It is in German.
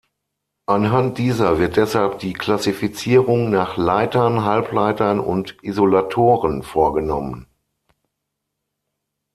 Anhand dieser wird deshalb die Klassifizierung nach Leitern, Halbleitern und Isolatoren vorgenommen.